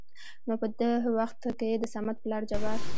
نو په د وخت کې دصمد پلار جبار